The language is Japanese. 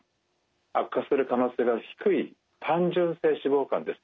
悪化する可能性が低い単純性脂肪肝ですね。